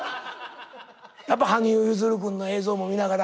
やっぱ羽生結弦君の映像も見ながら？